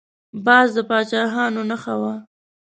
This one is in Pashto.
باز د پاچاهانو نښه وه